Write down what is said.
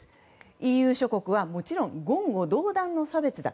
ＥＵ諸国はもちろん言語道断の差別だ。